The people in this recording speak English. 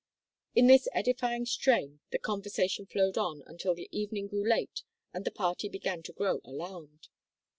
In this edifying strain the conversation flowed on until the evening grew late and the party began to grow alarmed.